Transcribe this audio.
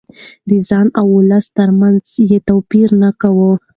د ځان او ولس ترمنځ يې توپير نه کاوه.